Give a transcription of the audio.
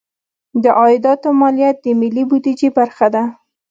د عایداتو مالیه د ملي بودیجې برخه ده.